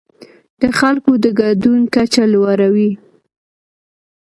د خلکو د ګډون کچه لوړه وي.